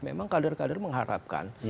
memang kader kader mengharapkan